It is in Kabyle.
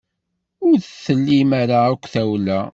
Ur tlim ara akk tawla.